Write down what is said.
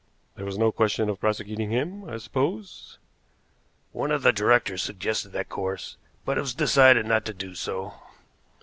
"There was no question of prosecuting him, I suppose?" "One of the directors suggested that course, but it was decided not to do so."